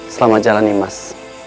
selama jalan nih mas